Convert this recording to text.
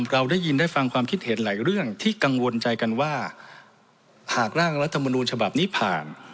เราได้ยินได้ฟังความคิดเห็นหลายเรื่องที่กังวลใจกันว่าหากร่างรัฐมนูลฉบับนี้ผ่าน